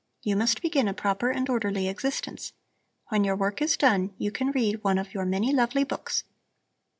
You must begin a proper and orderly existence. When your work is done you can read one of your many lovely books.